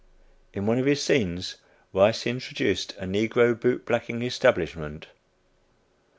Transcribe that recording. In one of his scenes, Rice introduced a negro boot blacking establishment.